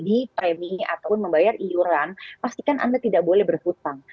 di premi ataupun membayar iuran pastikan anda tidak boleh berhutang